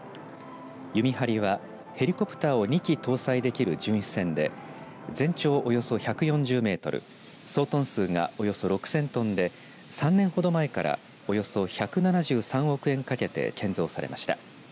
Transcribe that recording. ゆみはりはヘリコプターを２機搭載できる巡視船で全長およそ１４０メートル総トン数がおよそ６０００トンで３年ほど前からおよそ１７３億円かけて建造されました。